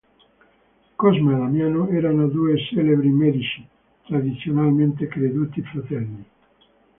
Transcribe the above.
Cosma e Damiano erano due celebri medici, tradizionalmente creduti fratelli.